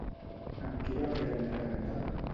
Amb qui va aprendre a cantar?